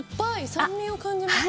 酸味を感じます。